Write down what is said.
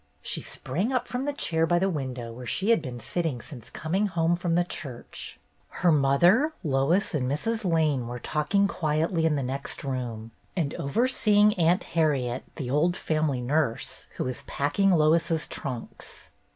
She sprang up from the chair by the window where she had been sitting since coming home from the church. Her mother, Lois, and Mrs. Lane were talking quietly in the next room, and overseeing Aunt Harriet, the old family nurse, who was packing Lois's trunks.